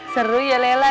seru ya lela ya